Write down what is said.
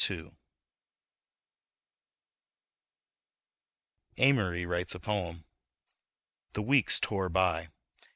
AMORY WRITES A POEM The weeks tore by.